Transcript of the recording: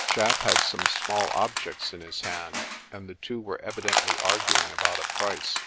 Japp had some small objects in his hand, and the two were evi dently arguing about a price.